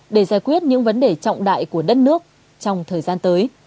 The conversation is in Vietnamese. để giải quyết những vấn đề trọng đại của đất nước trong thời gian tới